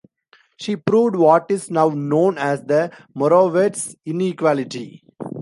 She proved what is now known as the Morawetz Inequality.